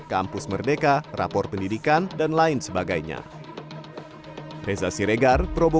kampus merdeka rapor pendidikan dan lain sebagainya